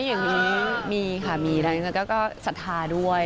อย่างงี้มีค่ะก็สัตว์ภาษาด้วย